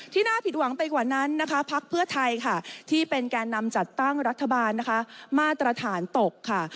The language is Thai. น่าผิดหวังไปกว่านั้นนะคะพักเพื่อไทยค่ะที่เป็นแก่นำจัดตั้งรัฐบาลนะคะมาตรฐานตกค่ะ